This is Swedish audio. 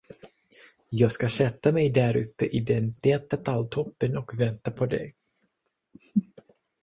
Jag ska sätta mig däruppe i den täta talltoppen och vänta på dig.